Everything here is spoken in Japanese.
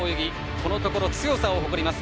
このところ強さを誇ります